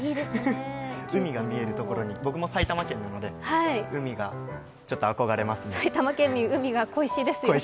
海が見えるところに、僕も埼玉県なので、海に憧れますね。